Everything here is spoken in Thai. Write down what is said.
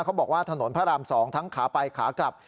เขาบอกว่าถนนพระราม๒ทั้งขาไปขากลับ